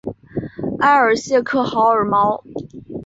埃尔谢克豪尔毛。